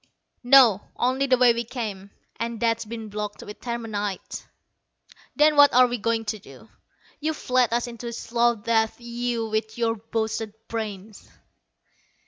"No only the way we came. And that's been blocked with terminite." "Then what are we going to do? You've led us into a slow death, you with your boasted brains!"